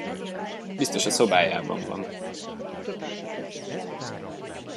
Biztos a szobájában van.